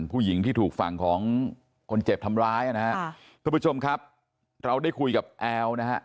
ผู้หญิงที่ถูกฝั่งของคนเจ็บทำร้ายนะฮะทุกผู้ชมครับเราได้คุยกับแอลนะฮะ